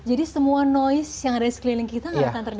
jadi semua noise yang ada di sekeliling kita nggak akan terdengar ya